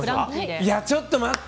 いや、ちょっと待って。